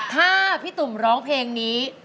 ถ้าพี่ตุ่มร้องเพลงนี้